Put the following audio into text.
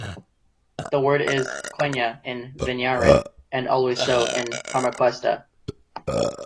The word is "Quenya" in Vanyarin, and always so in Parmaquesta.